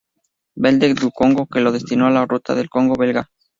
Belge du Congo, que lo destinó a la ruta del Congo Belga.